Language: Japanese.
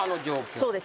そうです